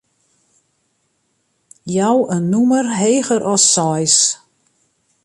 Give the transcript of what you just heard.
Jou in nûmer heger as seis.